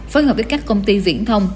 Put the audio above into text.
phối hợp với các công ty viễn thông